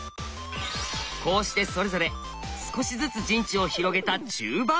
こうしてそれぞれ少しずつ陣地を広げた中盤。